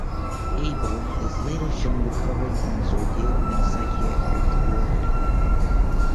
Abel is later shown recovering from his ordeal in a psychiatric ward.